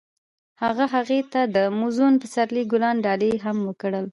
هغه هغې ته د موزون پسرلی ګلان ډالۍ هم کړل.